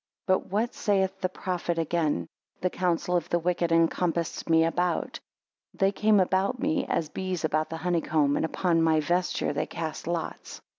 5 But what saith the prophet again; The counsel of the wicked encompassed me about. They came about me, as bees about the honey comb: and, Upon my vesture they cast lots.